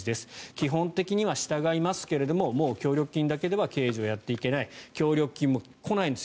基本的には従いますけどもう協力金だけでは経営上、やっていけない協力金も来ないんです。